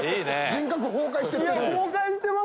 人格崩壊してる。